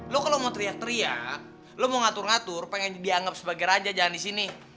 lo kalau mau teriak teriak lo mau ngatur ngatur pengen dianggap sebagai raja jangan di sini